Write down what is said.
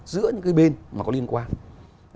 giữa những cái bên mà có liên quan